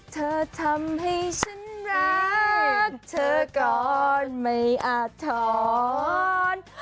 เธอทำให้ฉันรักเธอก่อนไม่อาทร